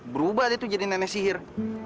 berubah dia tuh jadi nenek sihir